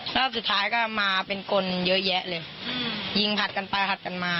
รอบสุดท้ายก็มาเป็นคนเยอะแยะเลยยิงผัดกันไปผัดกันมา